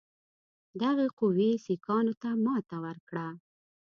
دغې قوې سیکهانو ته ماته ورکړه.